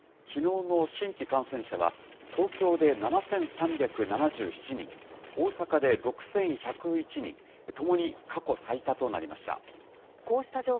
きのうの新規感染者は、東京で７３７７人、大阪で６１０１人、ともに過去最多となりました。